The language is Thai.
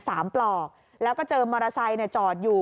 ปลอกแล้วก็เจอมอเตอร์ไซค์เนี่ยจอดอยู่